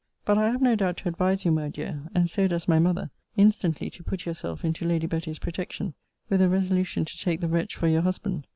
But I have no doubt to advise you, my dear, (and so does my mother,) instantly to put yourself into Lady Betty's protection, with a resolution to take the wretch for your husband.